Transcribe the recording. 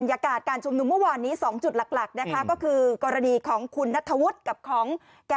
อย่ากาศการชมนุมเมื่อวานนี้๒จุดหลักก็คือกรณีของคุณนัททะวุฒิกับของ